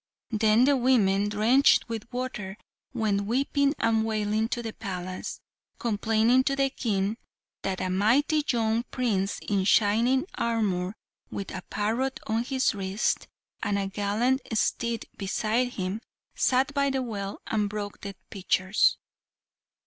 Then the women, drenched with water, went weeping and wailing to the palace, complaining to the King that a mighty young Prince in shining armour, with a parrot on his wrist and a gallant steed beside him, sat by the well, and broke their pitchers.